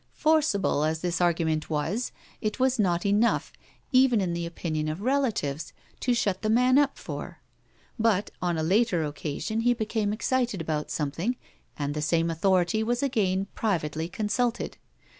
Forcible as this argument was, it was not enough, even in the opinion of relatives, to shut the man up for. But on a later occasion he became excited about something, and the same authority was again privately consulted.